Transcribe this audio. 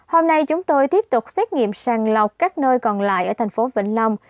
hôm nay chúng tôi tiếp tục xét nghiệm sàng lọc các nơi còn lại ở thành phố vĩnh long